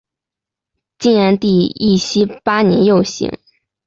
晋安帝义熙八年又省。